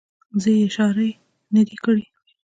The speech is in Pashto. زه یې اشارې نه دي کړې.